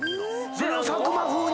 佐久間風に？